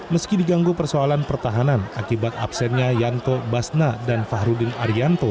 meski diganggu persoalan pertahanan akibat absennya yanto basna dan fahrudin arianto